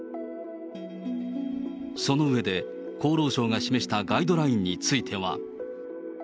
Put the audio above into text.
その上で、厚労省が示したガイドラインについては。